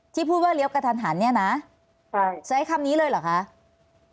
พูดว่าเลี้ยวกระทันหันเนี่ยนะใช้คำนี้เลยเหรอคะ